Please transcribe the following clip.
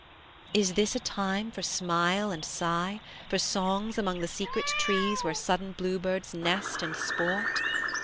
Is this a time for smile and sigh, For songs among the secret trees Where sudden bluebirds nest and sport?